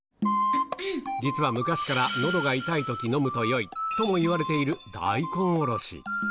実は昔からのどが痛いとき、飲むとよいともいわれている大根おろし。